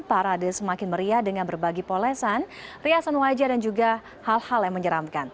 parade semakin meriah dengan berbagi polesan riasan wajah dan juga hal hal yang menyeramkan